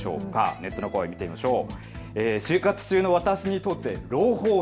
ネットの声を見てみましょう。